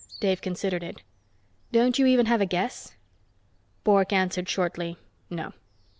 Dave considered it. "Don't you even have a guess?" Bork answered shortly, "No."